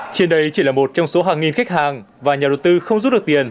trên đây chỉ là một trong số hàng nghìn khách hàng và nhà đầu tư không rút được tiền